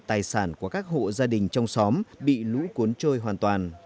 trường lớp tạm thời của các hộ gia đình trong xóm bị lũ cuốn trôi hoàn toàn